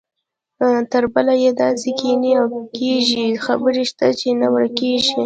تربله یې داسې کینې او کږې خبرې شته چې نه ورکېږي.